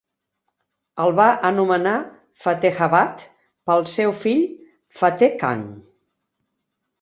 El va anomenar Fatehabad pel seu fill Fateh Khan.